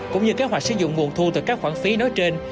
cũng như kế hoạch sử dụng nguồn thu từ các khoản phí nói trên